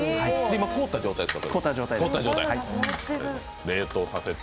今、凍った状態です。